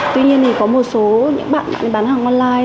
tuy nhiên thì có một số những bạn bán hàng online